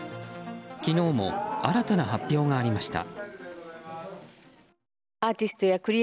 昨日も新たな発表がありました。